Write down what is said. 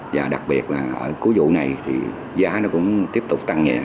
và đặc biệt là ở cuối vụ này thì giá nó cũng tiếp tục tăng nhẹ